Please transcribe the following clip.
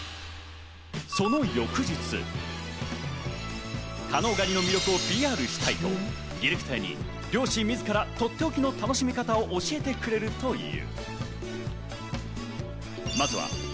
その翌日、加能がにの魅力をＰＲしたいと、ディレクターに漁師みずからのとっておきの楽しみ方を教えてくれるという。